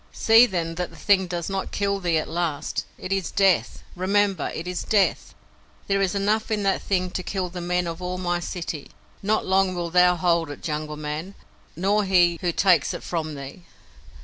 "See, then, that the thing does not kill thee at last. It is Death! Remember, it is Death! There is enough in that thing to kill the men of all my city. Not long wilt thou hold it, Jungle Man, nor he who takes it from thee.